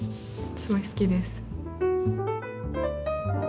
すごい好きです。